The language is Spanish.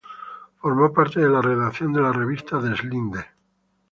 Formó parte de la redacción de la revista "Deslinde".